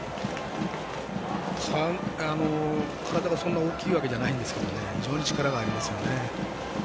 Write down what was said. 体がそんなに大きいわけじゃないんですが非常に力がありますね。